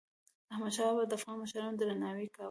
احمدشاه بابا د افغان مشرانو درناوی کاوه.